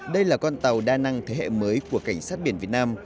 đây là con tàu đa năng thế hệ mới của cảnh sát biển việt nam